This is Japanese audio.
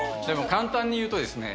簡単に言うとですね